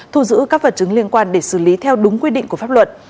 thu giữ các vật chứng liên quan để xử lý theo đúng quy định của pháp luật